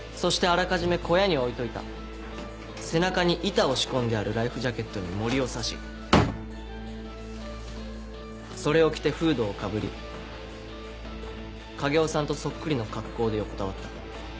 あらかじめ小屋に置いておいた背中に板を仕込んであるライフジャケットに銛を刺しそれを着てフードをかぶり影尾さんとそっくりの格好で横たわった。